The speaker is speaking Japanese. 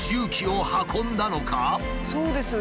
そうですよ。